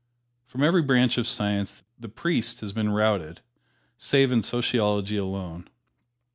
From every branch of Science the priest has been routed, save in Sociology alone.